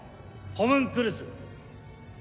ホムンクルス！